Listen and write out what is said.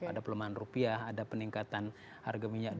ada pelemahan rupiah ada peningkatan harga minyak